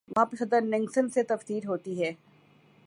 وہاں پہ صدر نکسن سے تفتیش ہوتی ہے۔